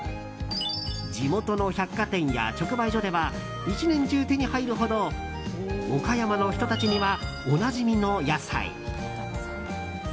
地元の百貨店や直売所では一年中、手に入るほど岡山の人たちにはおなじみの野菜。